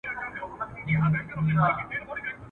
د خپل استاد ارواښاد محمد صدیق روهي ,